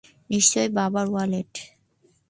নিশ্চয়ই বাবার ওয়ালেট।